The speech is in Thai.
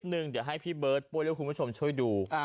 เดี๋ยวให้พี่เบิร์ตโปรดเลือกคุณผู้ชมช่วยดู